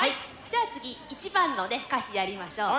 じゃあ次１番のね歌詞やりましょう。